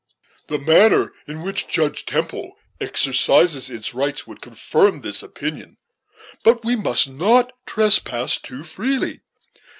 "The manner in which Judge Temple exercises its rites would confirm this opinion; but we must not trespass too freely.